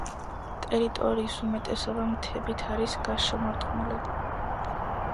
ტერიტორიის უმეტესობა მთებით არის გარშემორტყმული.